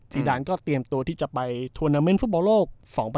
ดานก็เตรียมตัวที่จะไปทวนาเมนต์ฟุตบอลโลก๒๐๑๖